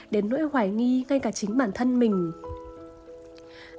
đến nỗi hoài nghi ngay cả chính bản thân mình